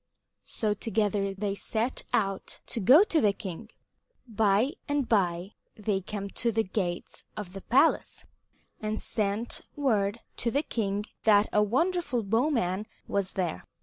So together they set out to go to the king. By and by they came to the gates of the palace, and sent word to the king that a wonderful bowman was there.